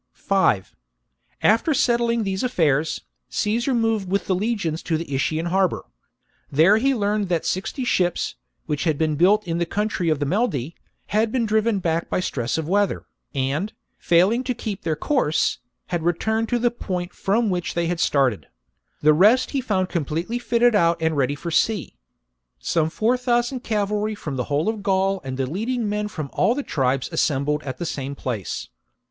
5. After settling these affairs, Caesar moved Caesarre , pairs to with the legions to the Itian harbour. There the itian he learned that sixty ships, which had been built in the country of the Meldi, had been driven back by stress of weather, and, failing to keep their course, had returned to the point from which they had started : the rest he found completely fitted out and ready for sea. Some four thousand cavalry from the whole of Gaul and the leading men from all the tribes assembled at the same piace.